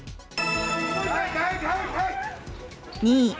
２位。